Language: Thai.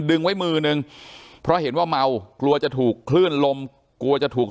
ดึงไว้มือนึงเพราะเห็นว่าเมากลัวจะถูกคลื่นลมกลัวจะถูก